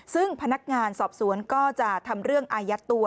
ซึ่งพนักงานสอบสวนก็จะทำเรื่องอายัดตัว